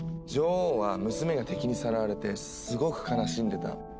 女王は娘が敵にさらわれてすごく悲しんでた。